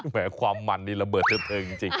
ความมันนี่ระเบิดเทิบเทิงจริง